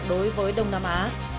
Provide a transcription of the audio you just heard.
đối với đông nam á